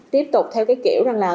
tiếp tục theo cái kiểu rằng là